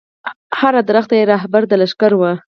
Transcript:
هره ونه یې رهبره د لښکر وه